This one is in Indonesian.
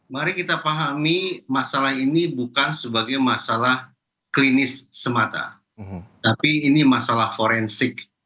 mari kita pahami masalah ini bukan sebagai masalah klinis semata tapi ini masalah forensik